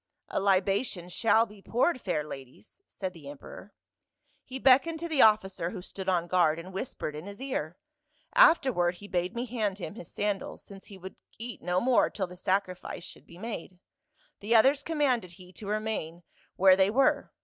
'A libation shall be poured, fair ladies,' said the emperor. He beckoned to the officer who stood on guard, and whispered in his ear, afterward he bade me hand him his sandals, since he would eat no more till the sacrifice should be made ; the others commanded he to remain where they were.